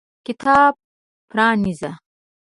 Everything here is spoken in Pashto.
کتاب پرانیزه !